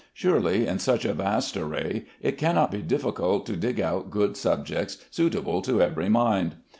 Surely in such a vast quarry it cannot be difficult to dig out good subjects suitable to every mind.